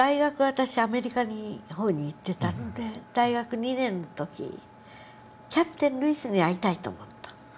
私アメリカの方に行ってたので大学２年の時キャプテンルイスに会いたいと思った。